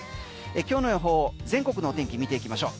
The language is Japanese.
今日の予報全国のお天気見ていきましょう。